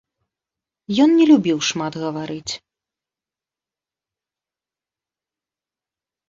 Ён не любіў шмат гаварыць.